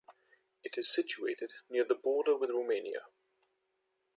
It is situated near the border with Romania.